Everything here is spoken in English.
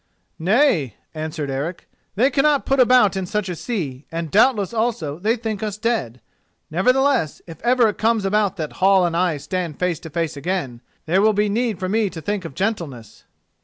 "Nay," answered Eric. "They cannot put about in such a sea, and doubtless also they think us dead. Nevertheless, if ever it comes about that Hall and I stand face to face again, there will be need for me to think of gentleness."